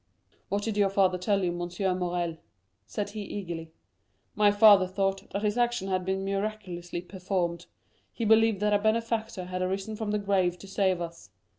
"What did your father tell you, M. Morrel?" said he eagerly. "My father thought that this action had been miraculously performed—he believed that a benefactor had arisen from the grave to save us.